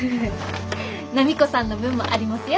波子さんの分もありますよ。